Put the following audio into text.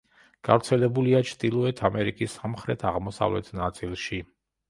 გავრცელებულია ჩრდილოეთ ამერიკის სამხრეთ-აღმოსავლეთ ნაწილში.